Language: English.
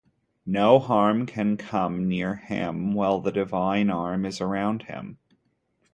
No harm can come near him while the divine arm is around him.